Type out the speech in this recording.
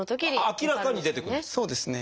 明らかに出てくるんですか？